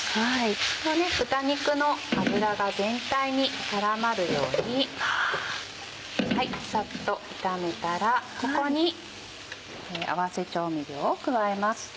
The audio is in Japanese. このね豚肉の脂が全体に絡まるようにサッと炒めたらここに合わせ調味料を加えます。